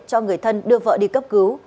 cho người thân đưa vợ đi cấp cứu